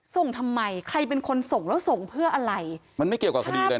ส่งทำไมใครเป็นคนส่งแล้วส่งเพื่ออะไรมันไม่เกี่ยวกับคดีเลยนะ